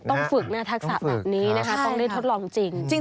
ต้องฝึกนะทักษะแบบนี้นะคะต้องได้ทดลองจริง